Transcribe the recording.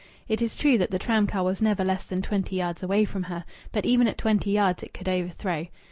It is true that the tram car was never less than twenty yards away from her. But even at twenty yards it could overthrow.